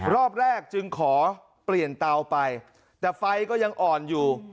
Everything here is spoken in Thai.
รอบแรกจึงขอเปลี่ยนเตาไปแต่ไฟก็ยังอ่อนอยู่